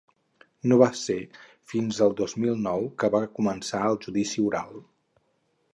No va ser fins el dos mil nou que va començar el judici oral.